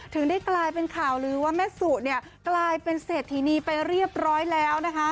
ถึงได้กลายเป็นข่าวลือว่าแม่สุเนี่ยกลายเป็นเศรษฐีนีไปเรียบร้อยแล้วนะคะ